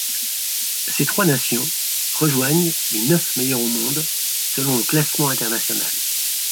Ces trois nations rejoignent les neuf meilleures au monde selon le classement international.